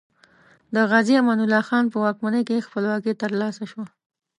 د غازي امان الله خان په واکمنۍ کې خپلواکي تر لاسه شوه.